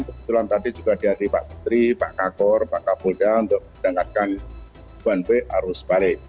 kebetulan tadi juga dihadiri pak menteri pak kakor pak kapolda untuk berangkatkan one way arus balik